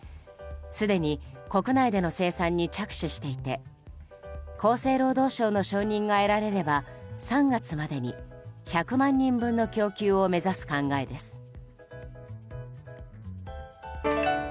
すでに国内での生産に着手していて厚生労働省の承認が得られれば３月までに１００万人分の供給を目指す考えです。